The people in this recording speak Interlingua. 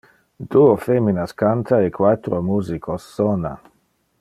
Duo feminas canta e quatro musicos sona.